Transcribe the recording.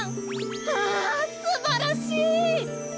あすばらしい！